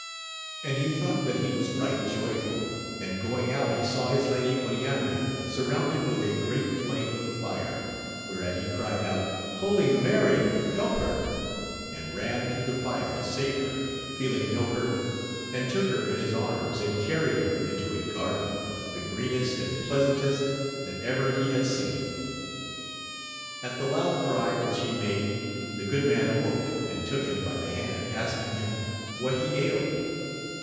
And he thought that he was right joyful ; and going out he saw his lady Oriana surrounded vrith a great flame of fire, whereat he cried out, Holy Mary, help her ! and ran through the fire to save her, feeling no hurt, and took her in his arms and carried her into a garden, the greenest and pleasantest that ever he had seen. At the loud cry which he made the good man awoke, and took him by the hand, asking him what he ailed